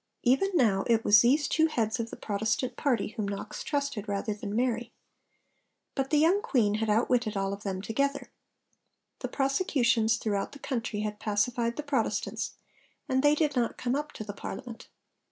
Even now, it was these two heads of the Protestant party whom Knox trusted rather than Mary. But the young Queen had outwitted all of them together. The prosecutions throughout the country had pacified the Protestants, and they did not come up to the Parliament.